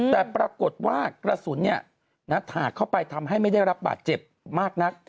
แต่ปรากฏว่ากระสุนถากเข้าไปทำให้ไม่ได้รับบาดเจ็บมากนัก